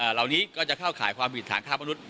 เหล่านี้ก็จะเข้าข่ายความผิดฐานค้ามนุษย